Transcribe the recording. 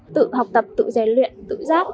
tự học tập tự giải luyện tự giáp